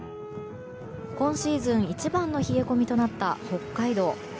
今シーズン一番の冷え込みとなった北海道。